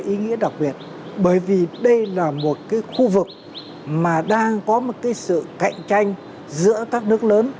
nó có một ý nghĩa đặc biệt bởi vì đây là một cái khu vực mà đang có một cái sự cạnh tranh giữa các nước lớn